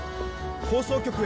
放送局へ！